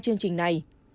chương trình này